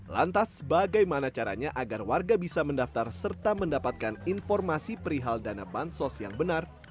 lantas bagaimana caranya agar warga bisa mendaftar serta mendapatkan informasi perihal dana bansos yang benar